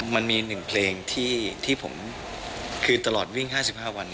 มันมี๑เพลงที่ผมคือตลอดวิ่ง๕๕วัน